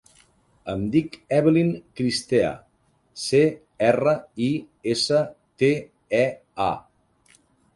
Em dic Evelyn Cristea: ce, erra, i, essa, te, e, a.